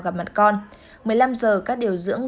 gặp mặt con một mươi năm giờ các điều dưỡng